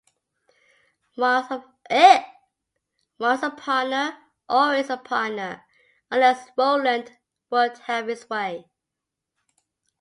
Once a partner, always a partner, unless Roland would have his way.